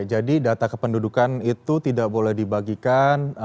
jadi data kependudukan itu tidak boleh dibagikan